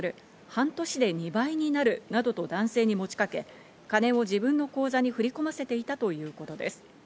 半年で２倍になるなどと男性に持ちかけ、金を自分の口座に振り込ませていたということです。